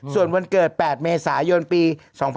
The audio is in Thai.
ส่วนวันเกิด๘เมษายนปี๒๕๖๒